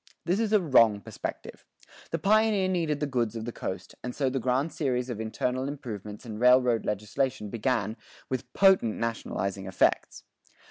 This is a wrong perspective. The pioneer needed the goods of the coast, and so the grand series of internal improvement and railroad legislation began, with potent nationalizing effects.